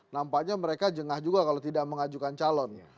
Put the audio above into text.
nampaknya mereka jengah juga kalau tidak mengajukan calon